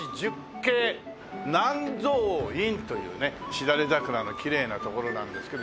南蔵院というねしだれ桜のきれいな所なんですけど。